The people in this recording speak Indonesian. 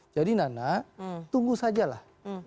jadi nana tunggu saja lah